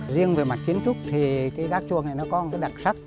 riêng về mặt kiến trúc thì cái gác chuồng này nó có một cái đặc sắc